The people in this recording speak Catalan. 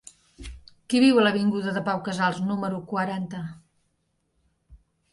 Qui viu a l'avinguda de Pau Casals número quaranta?